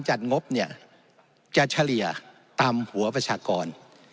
จะเฉลี่ยตามหัวประชากร